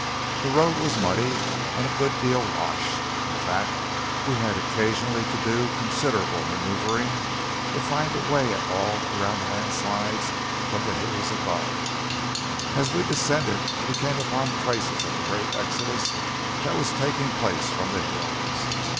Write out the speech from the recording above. The road was muddy, and a good deal washed. In fact, we had occasionally to do considerable manoeuvring to find a way at all around the landslides from the hills above. As we descended we came upon traces of the great exodus that was taking place from the hills.